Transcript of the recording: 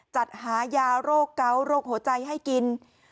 จัดหายาโรคเกาะโรคหัวใจให้กิน